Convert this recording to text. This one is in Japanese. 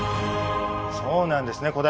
そうなんですね